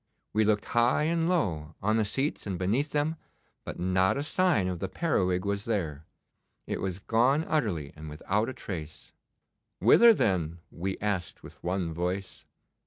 We looked high and low, on the seats and beneath them, but not a sign of the periwig was there. It was gone utterly and without a trace.' 'Whither then?' we asked with one voice.